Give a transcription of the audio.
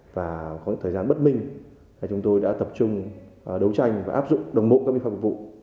phát minh chúng tôi đã tập trung đấu tranh và áp dụng đồng mộ các vi phạm phục vụ